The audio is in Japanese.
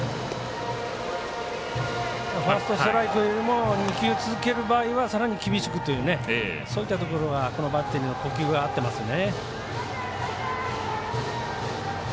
ファーストストライクよりも２球続ける場合はさらに厳しくというそういったところはバッテリーの呼吸は合っていますね。